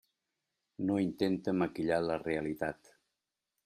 No intente maquillar la realitat.